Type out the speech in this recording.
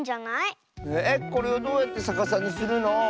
えっこれをどうやってさかさにするの？